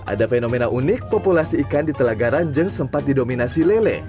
ada fenomena unik populasi ikan di telaga ranjeng sempat didominasi lele